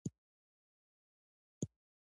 وريجې خيټه غټوي.